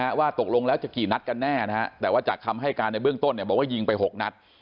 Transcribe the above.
ว่าตกลงแล้วจะกี่นัดกันแน่นะฮะแต่ว่าจากคำให้การในเบื้องต้นเนี่ยบอกว่ายิงไปหกนัด